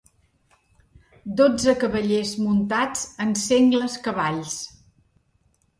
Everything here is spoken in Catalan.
Dotze cavallers muntats en sengles cavalls.